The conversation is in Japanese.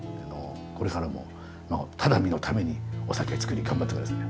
これからも只見のためにお酒造り頑張ってください。